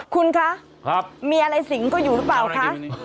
คุณคะมีอะไรสิงก็อยู่หรือเปล่าคะ